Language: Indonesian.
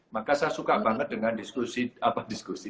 maka saya suka banget dengan diskusi apa diskusi